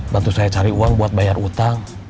bantu saya cari uang buat bayar utang